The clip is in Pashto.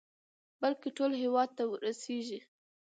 بلكې ټول هېواد ته ورسېږي.